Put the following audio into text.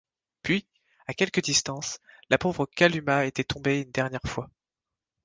Puis, à quelque distance, la pauvre Kalumah était tombée une dernière fois!